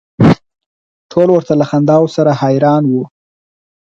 ټول ورته له خنداوو سره حیران و.